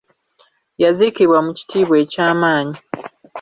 Yaziikibwa mu kitiibwa eky'amannyi.